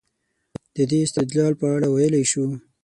د دې استدلال په اړه ویلای شو.